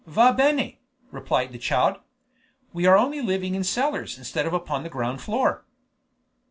"Va bene!" replied the child. "We are only living in the cellars instead of upon the ground floor."